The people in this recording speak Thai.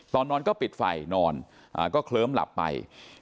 ตอนนอนก็ปิดไฟนอนก็เคลิ้มหลับไป